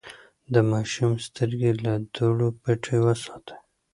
د ماشوم سترګې له دوړو پټې وساتئ.